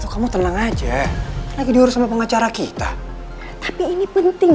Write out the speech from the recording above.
kamu tenang aja lagi diurus sama pengacara kita tapi ini penting